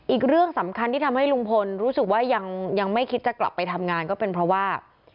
อีกเรื่องสำคัญที่ทำให้ลุงพลรู้สึกว่ายังไม่คิดจะกลับไปทำงานก็เป็นเพราะว่า